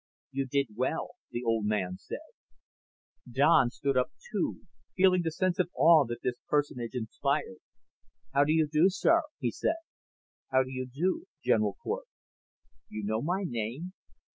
"You did well," the old man said. Don stood up too, feeling the sense of awe that this personage inspired. "How do you do, sir," he said. "How do you do, General Cort." "You know my name?"